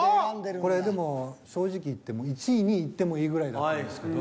これでも正直言って１位２位いってもいいぐらいだったんですけど。